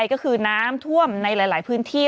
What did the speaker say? ก็คือน้ำท่วมในหลายพื้นที่